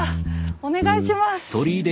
お願いします。